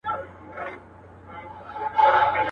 تازه هوا.